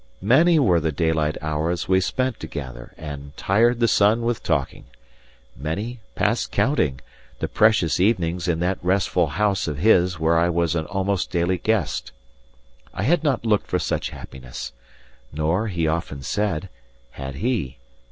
Many were the daylight hours we spent together and "tired the sun with talking"; many, past counting, the precious evenings in that restful house of his where I was an almost daily guest. I had not looked for such happiness; nor, he often said, had he.